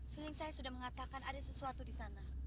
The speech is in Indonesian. feeling saya sudah mengatakan ada sesuatu di sana